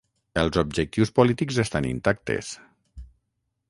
Els objectius polítics estan intactes.